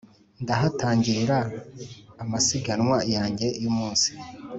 Ndahatangilira amasiganwa yanjye yumunsi